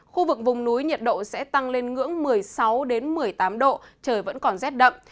khu vực vùng núi nhiệt độ sẽ tăng lên ngưỡng một mươi sáu một mươi tám độ trời vẫn còn rét đậm